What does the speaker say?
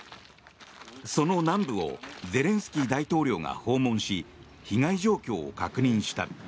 その南部をゼレンスキー大統領が訪問し被害状況を確認した。